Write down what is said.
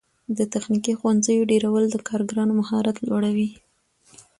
د تخنیکي ښوونځیو ډیرول د کارګرانو مهارت لوړوي.